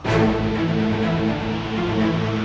tidak lebih baik aku mati